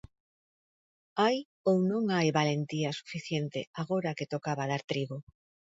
¿Hai ou non hai valentía suficiente agora que tocaba dar trigo?